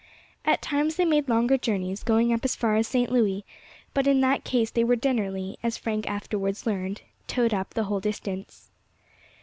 At times they made longer journeys, going up as far as St. Louis; but in that case they were generally, as Frank afterwards learned, towed up the whole distance.